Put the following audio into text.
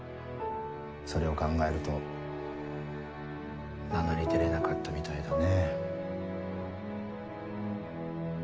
それを考えると名乗り出れなかったみたいだね。